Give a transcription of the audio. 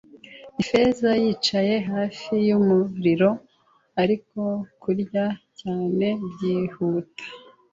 Ifeza, yicaye hafi yumuriro, ariko kurya cyane, byihuta